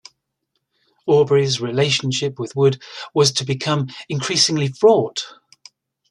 Aubrey's relationship with Wood was to become increasingly fraught.